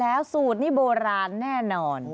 แล้วสูตรนี่โบราณแน่นอน